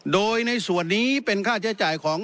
โดยในส่วนนี้เป็นค่าใช้จ่ายของ